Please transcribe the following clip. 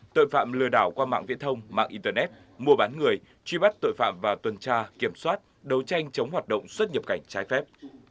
tội phạm lừa đảo qua mạng viễn thông mạng internet mua bán người truy bắt tội phạm và tuần tra kiểm soát đấu tranh chống hoạt động xuất nhập cảnh trái phép